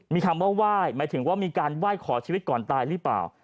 มีคำว่าไหว้หมายถึงว่ามีการไหว้ขอชีวิตก่อนตายหรือเปล่า